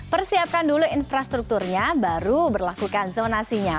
persiapkan dulu infrastrukturnya baru berlakukan zonasinya